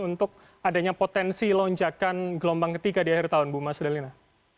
untuk adanya potensi lonjakan gelombang ketiga di akhir tahun bu mas dalina